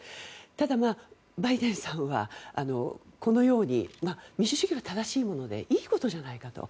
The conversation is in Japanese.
ただ、バイデンさんはこのように民主主義は正しいものでいいことじゃないかと。